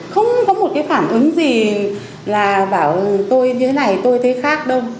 không có một cái phản ứng gì là bảo tôi như thế này tôi thấy khác đâu